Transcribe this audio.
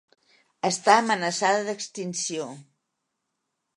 Està amenaçada d'extinció.